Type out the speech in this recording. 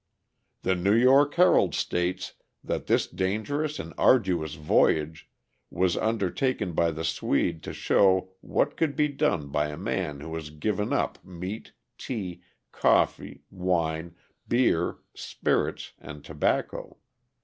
"The New York Herald states that this dangerous and arduous voyage was undertaken by the Swede to show what could be done by a man who has given up meat, tea, coffee, wine, beer, spirits, and tobacco.